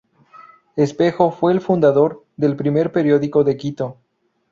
Espejo fue el fundador del primer periódico de Quito.